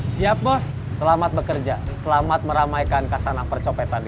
saya ingin mengingatkan anda untuk berpengalaman di dalam perjalanan ini